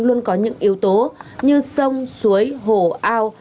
luôn có những yếu tố như sông suối hồ ao